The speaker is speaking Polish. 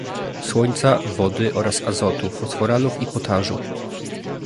słońca, wody oraz azotu, fosforanów i potażu